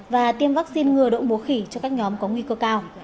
và tiêm vaccine ngừa đậu mùa khỉ cho các nhóm có nguy cơ cao